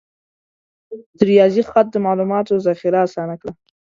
د ریاضي خط د معلوماتو ذخیره آسانه کړه.